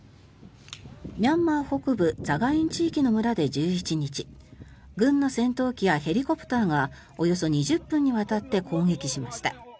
ミャンマー北部ザガイン地域の村で１１日軍の戦闘機やヘリコプターがおよそ２０分にわたって攻撃しました。